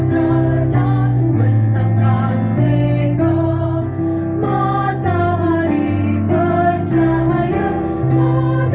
dia memberi mulut bagi itu pemahaman